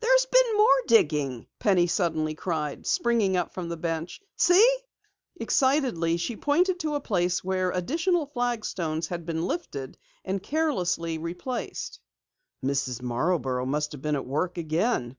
"There's been more digging!" Penny suddenly cried, springing up from the bench. "See!" Excitedly she pointed to a place where additional flagstones had been lifted and carelessly replaced. "Mrs. Marborough must have been at work again!"